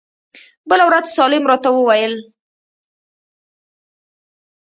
بله ورځ سالم راته وويل.